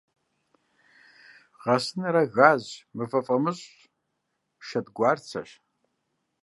Гъэсыныр — ар газщ, мывэ фӀамыщӀщ, шэдгуарцэщ.